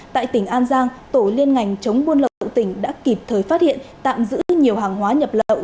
tại tỉnh an giang tổ liên ngành chống buôn lậu tỉnh đã kịp thời phát hiện tạm giữ nhiều hàng hóa nhập lậu